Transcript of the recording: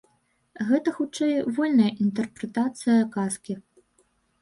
Гэта, хутчэй, вольная інтэрпрэтацыя казкі.